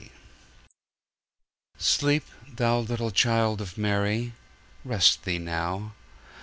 Sleep, Thou little Child of Mary: Rest Thee now.